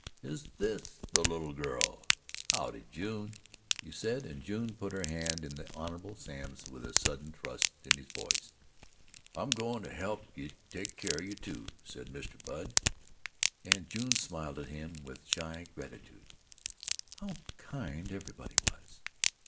"Is THIS the little girl? Howdye, June," he said, and June put her hand in the Hon. Sam's with a sudden trust in his voice. "I'm going to help take care of you, too," said Mr. Budd, and June smiled at him with shy gratitude. How kind everybody was!